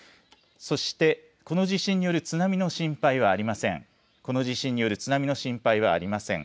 そしてこの地震による津波の心配はありません。